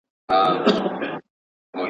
مرسته کول له بې پروايۍ څخه غوره دي.